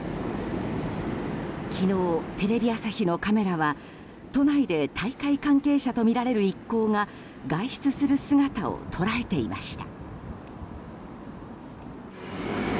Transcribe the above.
昨日、テレビ朝日のカメラは都内で大会関係者とみられる一行が外出する姿を捉えていました。